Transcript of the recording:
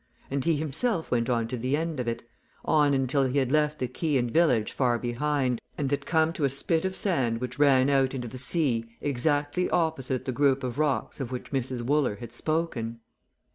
And he himself went on to the end of it on until he had left quay and village far behind, and had come to a spit of sand which ran out into the sea exactly opposite the group of rocks of which Mrs. Wooler had spoken.